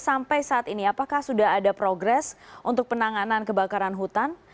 sampai saat ini apakah sudah ada progres untuk penanganan kebakaran hutan